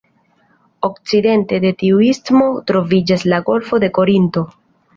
Okcidente de tiu istmo troviĝas la Golfo de Korinto.